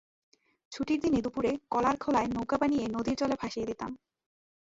ছুটির দিনে দুপুরে কলার খোলার নৌকা বানিয়ে নদীর জলে ভাসিয়ে দিতাম।